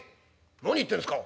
「何言ってんすか。